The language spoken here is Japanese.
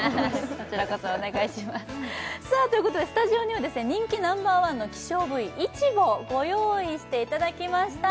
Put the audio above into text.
こちらこそお願いしますさあということでスタジオには人気ナンバーワンの希少部位イチボをご用意していただきました